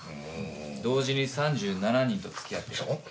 同時に３７人と付き合っている。